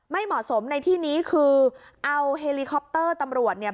ไม่เหมาะสมในที่นี้คือเอาเฮลิคอปเตอร์ตำรวจเนี่ย